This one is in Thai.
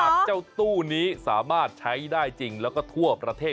เจ้าตู้นี้สามารถใช้ได้จริงแล้วก็ทั่วประเทศ